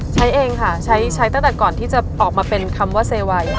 ใช้เองค่ะใช้ตั้งแต่ก่อนที่จะออกมาเป็นคำว่าเซวัย